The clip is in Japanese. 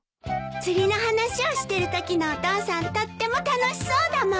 釣りの話をしてるときのお父さんとっても楽しそうだもん。